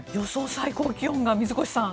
最高気温が水越さん